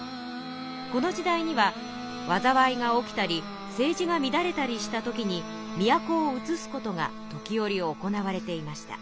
この時代にはわざわいが起きたり政治がみだれたりした時に都を移すことが時折行われていました。